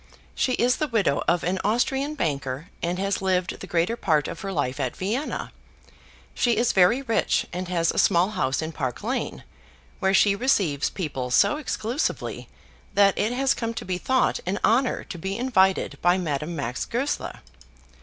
She is the widow of an Austrian banker, and has lived the greater part of her life at Vienna. She is very rich, and has a small house in Park Lane, where she receives people so exclusively that it has come to be thought an honour to be invited by Madame Max Goesler.